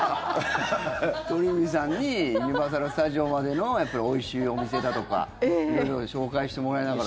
鳥海さんにユニバーサル・スタジオまでのおいしいお店だとか色々、紹介してもらいながら。